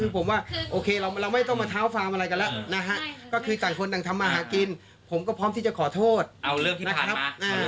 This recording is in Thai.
พี่ขอโทษได้นะขอโทษคุณแม่ขอโทษได้แล้วครับ